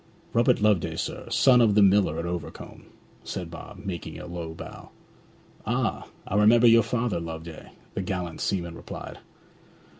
'Robert Loveday, sir, son of the miller at Overcombe,' said Bob, making a low bow. 'Ah! I remember your father, Loveday,' the gallant seaman replied.